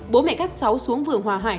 bố mẹ các cháu xuống vườn hòa hải